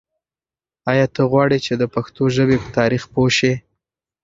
آیا ته غواړې چې د پښتو ژبې په تاریخ پوه شې؟